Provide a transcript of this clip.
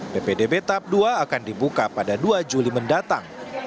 ppdb tahap dua akan dibuka pada dua juli mendatang